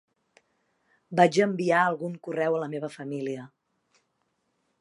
Vaig a enviar algun correu a la meva família.